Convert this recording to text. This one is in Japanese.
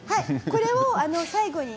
これを最後に。